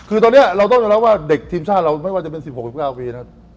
คือตอนนี้เราต้องยอมรับว่าเด็กทีมชาติเราไม่ว่าจะเป็น๑๖๑๙ปีนะครับ